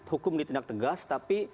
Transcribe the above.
hukum ditendak tegas tapi